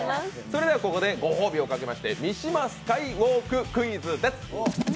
それではここでご褒美をかけまして三島スカイウォーククイズです。